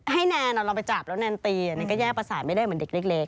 แนนเราไปจับแล้วแนนตีแนนก็แยกประสาทไม่ได้เหมือนเด็กเล็ก